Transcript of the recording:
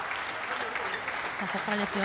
ここからですよ。